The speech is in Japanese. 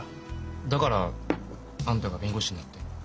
だからあんたが弁護士になって？